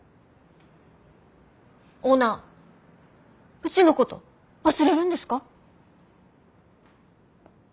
オーナーうちのこと忘れるんですか？